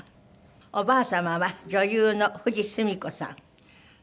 おばあ様は女優の富司純子さん。